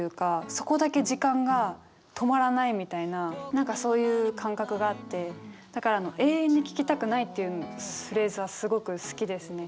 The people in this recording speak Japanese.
そこだけ時間が止まらないみたいな何かそういう感覚があってだからあの「永遠に聞きたくない」っていうフレーズはすごく好きですね。